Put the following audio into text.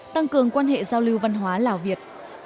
tăng cường quan hệ giao lưu văn hóa lào việt